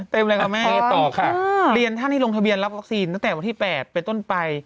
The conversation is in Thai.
เต็มแล้วค่ะแม่งเรียนท่านที่โรงทะเบียนรับวัคซีนตั้งแต่วันที่๘ไปต้นไป